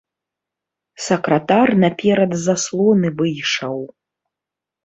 Сакратар наперад заслоны выйшаў.